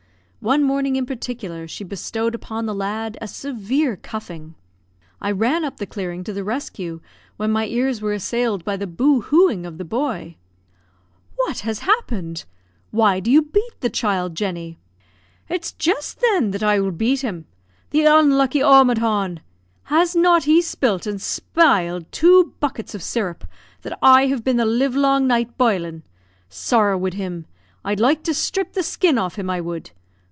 One morning, in particular, she bestowed upon the lad a severe cuffing. I ran up the clearing to the rescue, when my ears were assailed by the "boo hooing" of the boy. "What has happened? Why do you beat the child, Jenny?" "It's jist, thin, I that will bate him the unlucky omadhawn! Has not he spilt and spiled two buckets of syrup, that I have been the live long night bilin'. Sorra wid him; I'd like to strip the skin off him, I would!